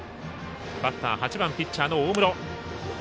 バッター、８番ピッチャーの大室。